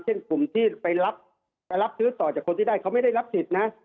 เช่นกลุ่มที่ไปรับซื้อต่อจากคนที่ได้เขาไม่ได้รับสิทธิ์นะ